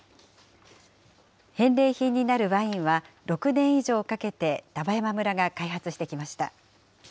返礼品になるワインは６年以上かけて丹波山村が開発してきました。